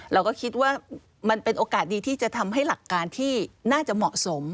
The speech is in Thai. เราก็คิดว่ามันเป็นโอกาสดีที่จะทำให้หลักการที่น่าจะเหมาะสม